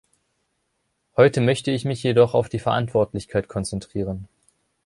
Heute möchte ich mich jedoch auf die Verantwortlichkeit konzentrieren.